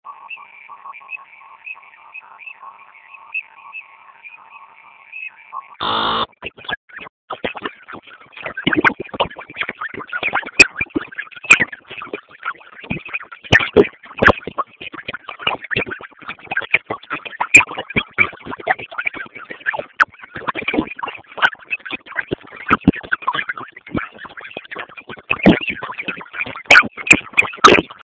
Magonjwa ya miguu na vidonda mdomoni